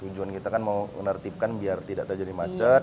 tujuan kita kan mau menertibkan biar tidak terjadi macet